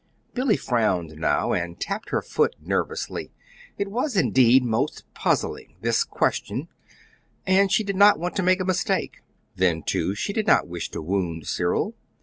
Billy frowned now, and tapped her foot nervously. It was, indeed, most puzzling this question, and she did not want to make a mistake. Then, too, she did not wish to wound Cyril.